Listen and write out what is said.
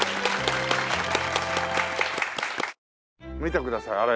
見てくださいあれ。